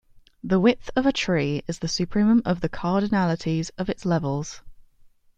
The width of a tree is the supremum of the cardinalities of its levels.